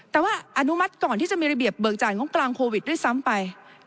แต่ว่าอนุมัติก่อนที่จะมีระเบียบเบิกจ่ายงบกลางโควิดด้วยซ้ำไป